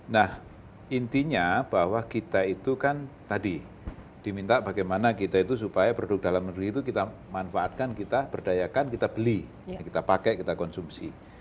nah intinya bahwa kita itu kan tadi diminta bagaimana kita itu supaya produk dalam negeri itu kita manfaatkan kita berdayakan kita beli kita pakai kita konsumsi